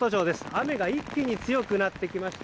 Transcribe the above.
雨が一気に強くなってきました。